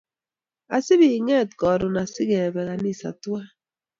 Asipiing'et karon sikebe ganisa twain